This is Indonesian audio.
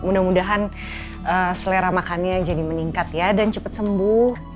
mudah mudahan selera makannya jadi meningkat ya dan cepat sembuh